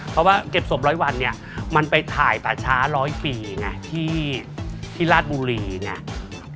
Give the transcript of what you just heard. เพราะว่าเก็บศพร้อยวันเนี่ยมันไปถ่ายป่าช้าร้อยปีไงที่ราชบุรีเนี่ย